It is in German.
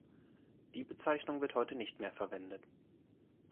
Die Bezeichnung wird heute nicht mehr verwendet.